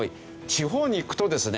地方に行くとですね